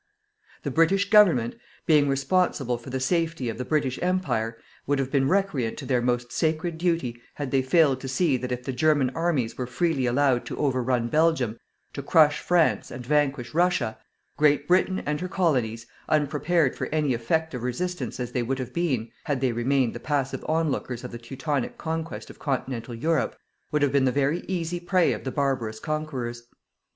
The British Government, being responsible for the safety of the British Empire, would have been recreant to their most sacred duty, had they failed to see that if the German armies were freely allowed to overrun Belgium, to crush France and vanquish Russia, Great Britain and her Colonies, unprepared for any effective resistance as they would have been, had they remained the passive onlookers of the teutonic conquest of continental Europe, would have been the easy prey of the barbarous conquerors.